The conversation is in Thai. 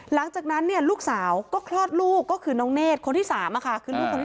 หลังจากนั้นเนี่ยลูกสาวก็คลอดลูกก็คือน้องเนธคนที่๓ค่ะ